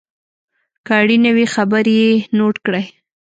که اړینه وي خبرې یې نوټ کړئ.